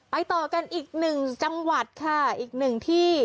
ต่อกันอีกหนึ่งจังหวัดค่ะอีกหนึ่งที่